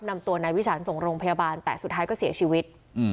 นำตัวนายวิสานส่งโรงพยาบาลแต่สุดท้ายก็เสียชีวิต